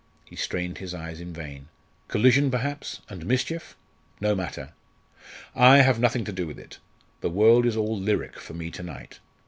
he strained his eyes in vain "Collision perhaps and mischief? No matter! I have nothing to do with it. The world is all lyric for me to night.